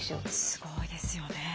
すごいですよね。